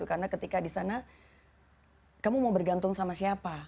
karena ketika di sana kamu mau bergantung sama siapa